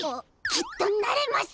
きっとなれます！